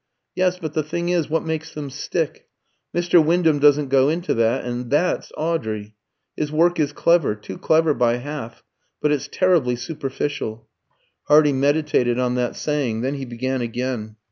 "Yes; but the thing is, what makes them stick? Mr. Wyndham doesn't go into that, and that's Audrey. His work is clever too clever by half but it's terribly superficial." Hardy meditated on that saying; then he began again.